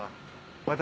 私